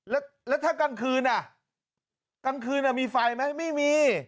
แล้วถ้ากลางคืนอ่ะกลางคืนมีไฟไหมไม่มี